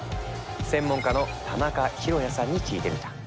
専門家の田中浩也さんに聞いてみた。